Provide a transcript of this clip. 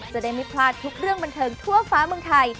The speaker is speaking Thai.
จะได้ไม่พลาดทุกเรื่องบันเทิงทั่วฟ้าเมืองไทย